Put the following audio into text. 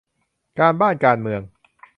การบ้านการเมือง